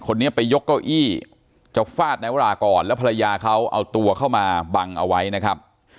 คนนี้ไปยกเก้าอี้จะฟาดนายวรากรแล้วภรรยาเขาเอาตัวเข้ามาบังเอาไว้นะครับ